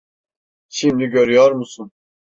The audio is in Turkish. Şimdi görüyor musun?